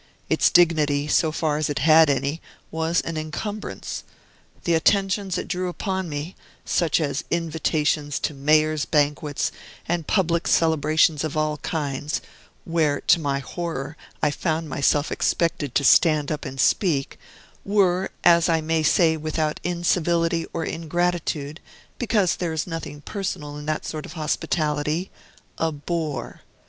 Its dignity, so far as it had any, was an encumbrance; the attentions it drew upon me (such as invitations to Mayor's banquets and public celebrations of all kinds, where, to my horror, I found myself expected to stand up and speak) were as I may say without incivility or ingratitude, because there is nothing personal in that sort of hospitality a bore.